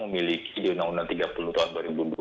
memiliki di undang undang tiga puluh tahun dua ribu dua puluh